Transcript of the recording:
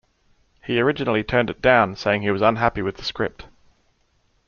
He originally turned it down, saying he was unhappy with the script.